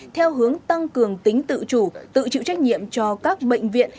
theo hướng tăng cường tính tự chủ tự chịu trách nhiệm cho các bệnh viện